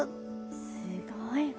すごいわ。